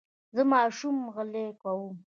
زه ماشوم غلی کوم.